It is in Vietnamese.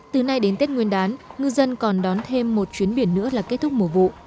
từ nay đến tết nguyên đán ngư dân còn đón thêm một chuyến biển nữa là kết thúc mùa vụ